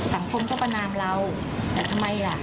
สังคมก็ประนามเราแต่ทำไมล่ะ